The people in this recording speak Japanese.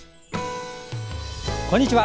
こんにちは。